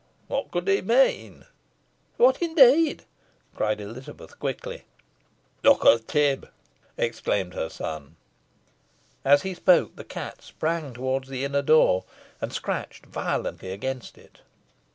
Whot could he mean?" "Whot, indeed?" cried Elizabeth, quickly. "Look at Tib," exclaimed her son. As he spoke, the cat sprang towards the inner door, and scratched violently against it.